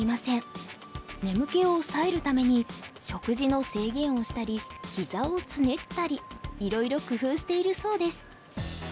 眠気を抑えるために食事の制限をしたり膝をつねったりいろいろ工夫しているそうです。